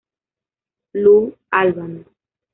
Lou Albano.